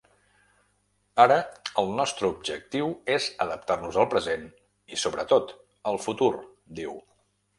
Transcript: Ara el nostre objectiu és adaptar-nos al present i, sobretot, al futur, diu.